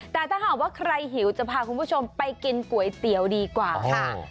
แต่ถ้าหากว่าใครหิวจะพาคุณผู้ชมไปกินก๋วยเตี๋ยวดีกว่าค่ะ